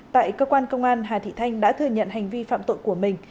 tại cơ quan công an hà thị thanh đã thừa nhận hành vi phạm tội của mình